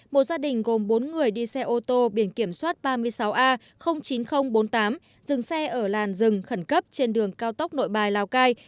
một gia đình gồm bốn người đi xe ô tô biển kiểm soát ba mươi sáu a chín nghìn bốn mươi tám dừng xe ở làn rừng khẩn cấp trên đường cao tốc nội bài lào cai